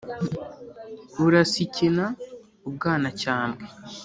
Burasikina u Bwanacyambwe.